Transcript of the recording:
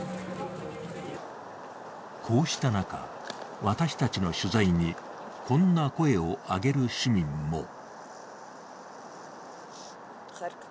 こうした中、私たちの取材にこんな声を上げる市民も。